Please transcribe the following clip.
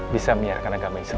bisa menyiapkan agama islam